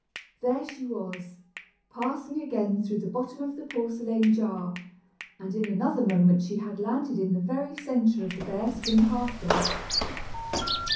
There she was, passing again through the bottom of the porcelain jar, and in another moment she had landed in the very centre of the bear skin hearth rug.